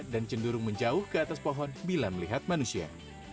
dan cenderung menjauh ke atas pohon bila melihat manusia